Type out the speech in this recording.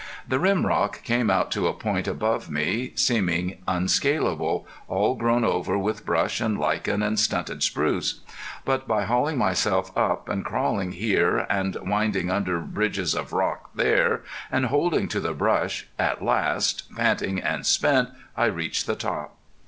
The rim rock came out to a point above me, seeming unscalable, all grown over with brush and lichen, and stunted spruce. But by hauling myself up, and crawling here, and winding under bridges of rock there, and holding to the brush, at last, panting and spent, I reached the top.